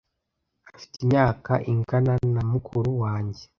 Afite imyaka ingana na mukuru wanjye.